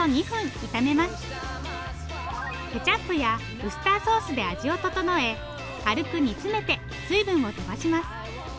ケチャップやウスターソースで味を調え軽く煮詰めて水分を飛ばします。